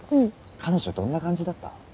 彼女どんな感じだった？